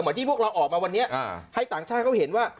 ที่พวกเราออกมาวันนี้ให้ต่างชาติเขาเห็นว่า